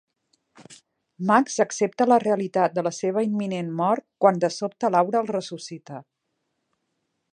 Max accepta la realitat de la seva imminent mort quan de sobte Laura el ressuscita.